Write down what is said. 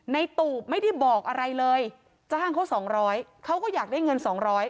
ตูบไม่ได้บอกอะไรเลยจ้างเขาสองร้อยเขาก็อยากได้เงินสองร้อย